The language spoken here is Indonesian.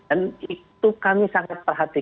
dan ber hormones sudah lebih